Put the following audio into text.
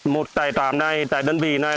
một tại tạm này tại đơn vị này